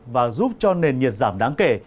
và giúp cho nền nhiệt giảm đáng kể